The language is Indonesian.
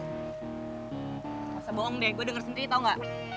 rasa bohong deh gue denger sendiri tau gak